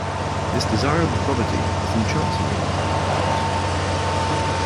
This desirable property is in Chancery, of course.